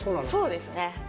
そうですね。